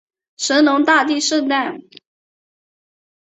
神农大帝圣诞